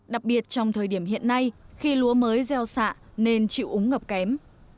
đặc biệt trong thời điểm hiện nay khi lúa mới gieo xạ nên chịu úng ngập kém